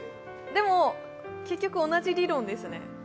でも、結局、同じ理論でしたね。